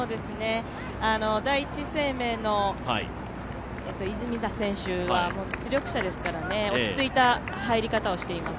第一生命の出水田選手は実力者ですから、落ち着いた入り方をしています。